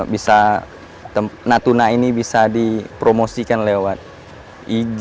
bisa natuna ini bisa dipromosikan oleh bapak ibu saya